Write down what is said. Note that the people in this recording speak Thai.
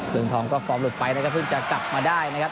เมืองทองก็ฟอร์มหลุดไปนะครับเพิ่งจะกลับมาได้นะครับ